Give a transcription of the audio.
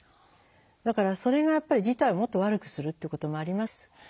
だからそれがやっぱり事態をもっと悪くするっていうこともあります。